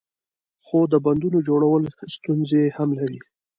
خو د بندونو جوړول ستونزې هم لري.